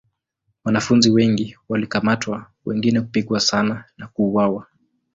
Wanafunzi wengi walikamatwa wengine kupigwa sana na kuuawa.